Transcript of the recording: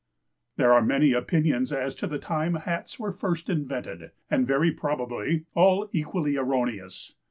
There are many opinions as to the time Hats were first invented, and, very probably, all equally erroneous.